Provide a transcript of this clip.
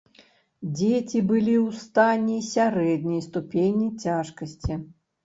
Дзеці былі ў стане сярэдняй ступені цяжкасці.